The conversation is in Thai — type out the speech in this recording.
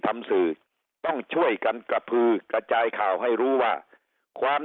ทำสื่อต้องช่วยกันกระพือกระจายข่าวให้รู้ว่าความ